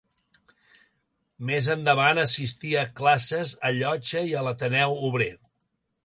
Més endavant, assistí a classes a Llotja i a l’Ateneu Obrer.